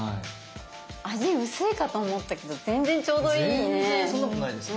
味薄いかと思ったけど全然ちょうどいいね。